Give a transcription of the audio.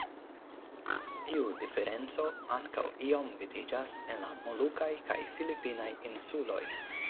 Tiu diferenco ankaŭ iom vidiĝas en la molukaj kaj filipinaj insuloj.